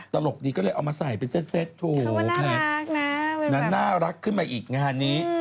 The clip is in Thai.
ตลกดีก็เลยเอามาใส่เป็นเซ็ตถูกนั้นน่ารักขึ้นมาอีกงานนี้